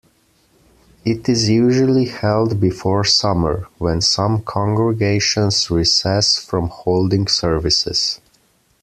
It is usually held before summer, when some congregations recess from holding services.